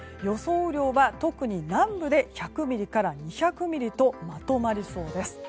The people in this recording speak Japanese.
雨量は特に南部で１００ミリから２００ミリとまとまりそうです。